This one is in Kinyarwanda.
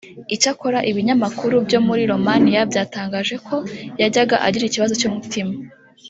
icyakora ibinyamakuru byo muri Romania byatangaje ko yajyaga agira ikibazo cy’umutima